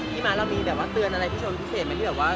ปิ้มาร์ดเรามีแบบว่าเตือนอะไรที่ชมพิเศษไหม